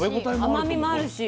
甘みもあるし。